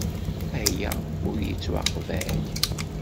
Aya ur yettwaqbal.